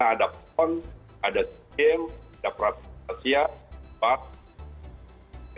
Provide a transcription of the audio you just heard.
ada pon ada seal ada prasatasia pap